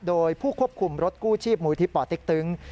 โดยผู้ควบคุมรถกู้ชีพมูลยธีปติ๊กตึ๊ง